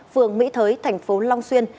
phường mỹ thới thành phố long xuyên